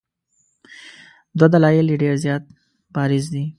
دوه دلایل یې ډېر زیات بارز دي.